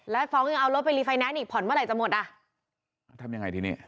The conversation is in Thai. แล้วฟ้องยังเอารถไปรีไฟแนนซ์อีกผ่อนเมื่อไหร่จะหมดอ่ะอ่าทำยังไงที่นี่